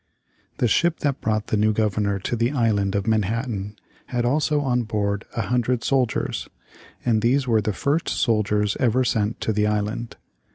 The ship that brought the new Governor to the Island of Manhattan, had also on board a hundred soldiers, and these were the first soldiers ever sent to the island.